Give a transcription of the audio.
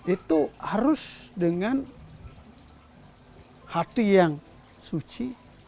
itu harus dengan hati yang suci